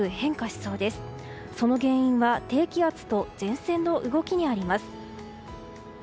その原因は低気圧と前線の動きにあります。